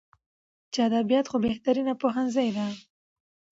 چې ادبيات خو بهترينه پوهنځۍ ده.